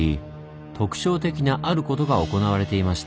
特徴的なあることが行われていました。